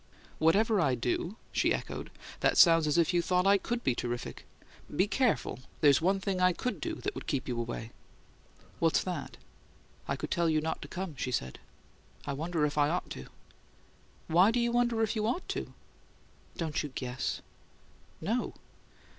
"'Whatever I do?'" she echoed. "That sounds as if you thought I COULD be terrific! Be careful; there's one thing I could do that would keep you away." "What's that?" "I could tell you not to come," she said. "I wonder if I ought to." "Why do you wonder if you 'ought to?'" "Don't you guess?" "No."